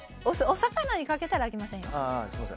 お魚にかけたら、あきませんよ。